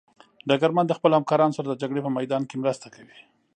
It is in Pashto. ډګرمن د خپلو همکارانو سره د جګړې په میدان کې مرسته کوي.